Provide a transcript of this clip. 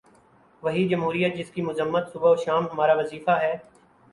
وہی جمہوریت جس کی مذمت صبح و شام ہمارا وظیفہ ہے۔